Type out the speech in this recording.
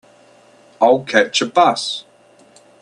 I'll catch a bus.